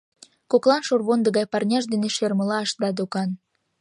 Коклан шорвондо гай парняж дене шермыла ышта докан.